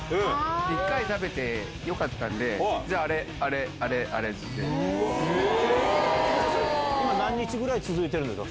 一回食べてよかったんで、じゃあ今、何日ぐらい続いてるんですか？